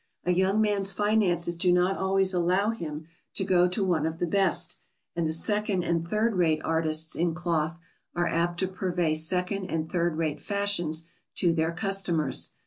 A young man's finances do not always allow him to go to one of the best, and the second and third rate artists in cloth are apt to purvey second and third rate fashions to their customers.